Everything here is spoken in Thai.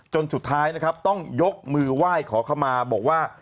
จนสุดท้ายนะครับต้องยกมือไหว้ขอเข้ามาบอกว่า